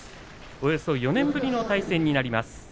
およそ４年ぶりの対戦になります。